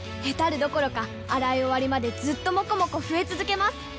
ヘタるどころか洗い終わりまでずっともこもこ増え続けます！